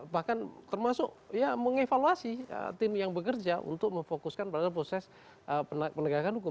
bahkan termasuk ya mengevaluasi tim yang bekerja untuk memfokuskan pada proses penegakan hukum